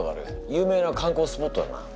有名な観光スポットだな。